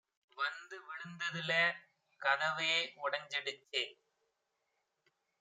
வந்து விழுந்ததுலெ கதவே உடஞ்சிடுச்சு